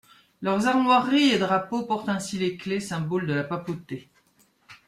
Leurs armoiries et drapeaux portent ainsi les clés, symboles de la papauté.